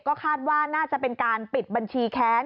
ก็คาดว่าน่าจะเป็นการปิดบัญชีแค้น